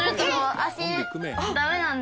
足ダメなんで。